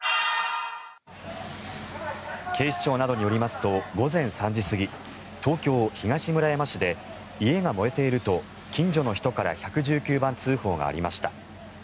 警視庁などによりますと午前３時過ぎ東京・東村山市で家が燃えていると近所の人から１１９番通報がありました。